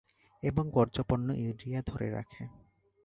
এবং বর্জ্য পণ্য ইউরিয়া ধরে রাখে।